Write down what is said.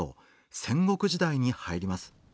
戦国時代に入ります。